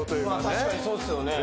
確かにそうっすよね。